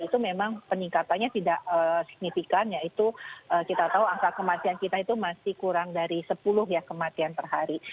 itu memang peningkatannya tidak signifikan yaitu kita tahu angka kematian kita itu masih kurang dari sepuluh ya kematian per hari